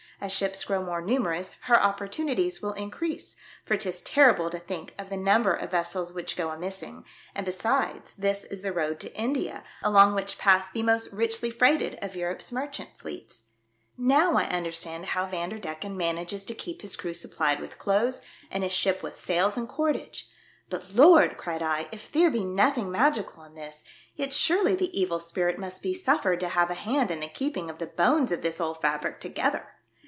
As ships grow more numerous, her opportunities will in crease, for 'tis terrible to think of the num ber of vessels which go a missing ; and, besides, this is the road to India, along which pass the most richly freighted of Europe's merchant fleets. Now 1 understand how 146 THE DEATH SHIP. Vanderdecken manages to keep his crev*/ supplied with clothes, and his ship with sails and cordage. But, Lord!" cried I, "if theer be nothing magical in this, yet surely the Evil Spirit must be suffered to have a hand in the keeping of the bones of this old fabric together